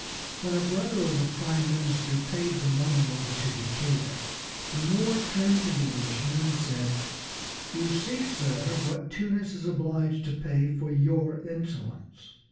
When a brother of the prime minister paid the money over to Decatur the Moor turned to the Englishman, and said, "You see, sir, what Tunis is obliged to pay for your insolence.